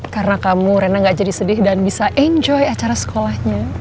karena kamu rena gak jadi sedih dan bisa enjoy acara sekolahnya